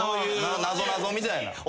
なぞなぞみたいな。